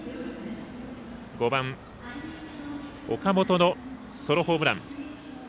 ５番、岡本のソロホームラン。